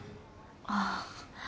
ああ。